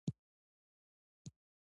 ډیډیموس یو اسټروېډ دی.